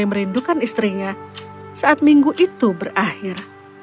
dia mulai merindukan istrinya saat minggu itu berakhir